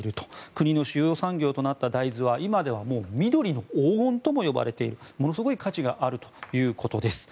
国の主要産業となった大豆は今では緑の黄金とも呼ばれているものすごい価値があるということです。